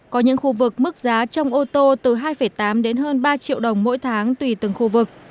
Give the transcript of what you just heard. có những khu vực mức giá trong ô tô từ hai tám đến hơn ba triệu đồng mỗi tháng tùy từng khu vực